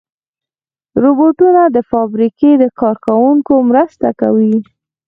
روبوټونه د فابریکې د کار کوونکو مرسته کوي.